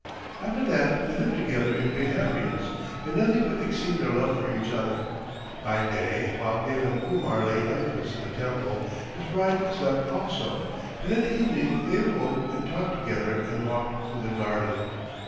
After that they lived together in great happiness, and nothing could exceed their love for each other. By day, while Dalim Kumar lay lifeless in the temple, his bride slept also, and at evening they awoke and talked together and walked through the garden.